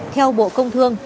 theo bộ công thương